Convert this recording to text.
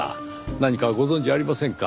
何かご存じありませんか？